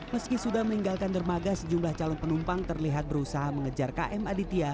meski sudah meninggalkan dermaga sejumlah calon penumpang terlihat berusaha mengejar km aditya